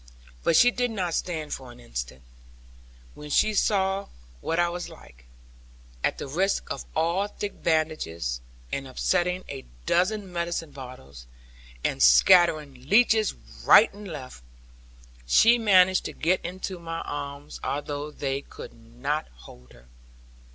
But she did not stand for an instant, when she saw what I was like. At the risk of all thick bandages, and upsetting a dozen medicine bottles, and scattering leeches right and left, she managed to get into my arms, although they could not hold her.